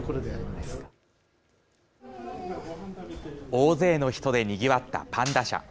大勢の人でにぎわったパンダ舎。